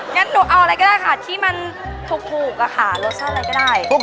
งั้นหนูเอาอะไรก็ได้ค่ะที่มันถูกอะค่ะรสชาติอะไรก็ได้